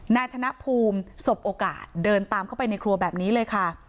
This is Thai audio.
นายธนภูมิสบโอกาสเดินตามเข้าไปในครัวแบบนี้เลยค่ะ